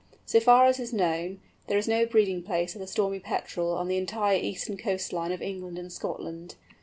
So far as is known, there is no breeding place of the Stormy Petrel on the entire eastern coast line of England and Scotland.